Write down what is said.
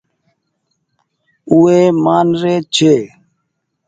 اُو وي مآن ري ڇي۔